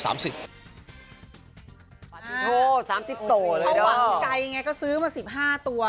ถ้าหวังใจไงก็ซื้อมา๑๕ตัว